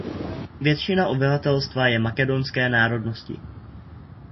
Většina obyvatelstva je makedonské národnosti.